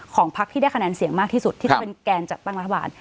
พักที่ได้คะแนนเสียงมากที่สุดที่จะเป็นแกนจัดตั้งรัฐบาล